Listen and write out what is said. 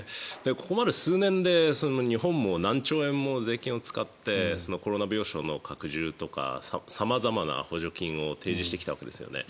ここまで数年で日本も何兆円も税金を使ってコロナ病床の拡充とか様々な補助金を提示してきたわけですよね。